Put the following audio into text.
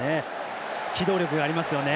機動力がありますよね。